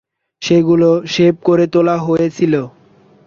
সেগুলো শেভ করে তোলা হয়েছিল।